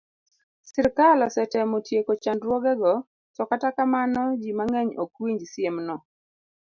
Sirkal osetemo tieko chandruogego, to kata kamano, ji mang'eny ok winj siemno.